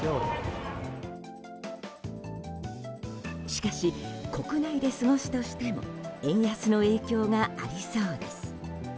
しかし、国内で過ごすとしても円安の影響がありそうです。